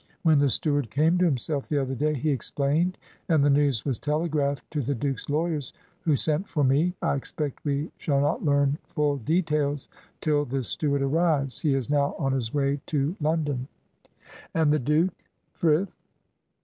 When the steward came to himself the other day, he explained, and the news was telegraphed to the Duke's lawyers, who sent for me. I expect we shall not learn full details till this steward arrives. He is now on his way to London." "And the Duke Frith?"